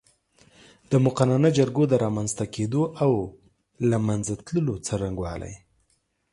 د مقننه جرګو د رامنځ ته کېدو او له منځه تللو څرنګوالی